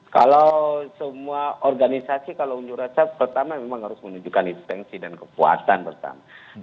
kalau semua organisasi kalau unjur rasa pertama memang harus menunjukkan eksistensi dan kekuatan pertama